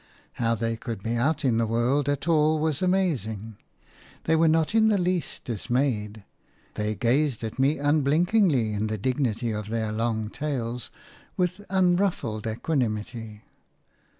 How they could be out in the world at all was amazing. They were not in the least dismayed. They gazed at me unblinkingly in the dignity of their long tails, with unruffled equanimity.